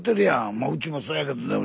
まあうちもそやけど。